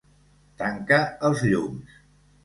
Tanca els llums.